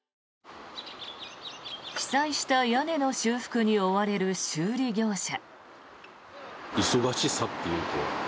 被災した屋根の修復に追われる修理業者。